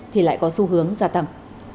thì lại có xu hướng gia tăng